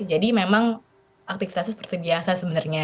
jadi memang aktivitasnya seperti biasa sebenarnya